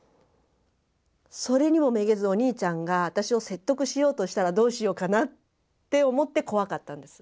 それにもめげずお兄ちゃんが私を説得しようとしたらどうしようかなって思って怖かったんです。